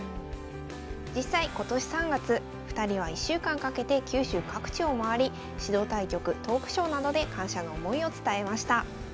実際今年３月２人は１週間かけて九州各地を回り指導対局・トークショーなどで感謝の思いを伝えました。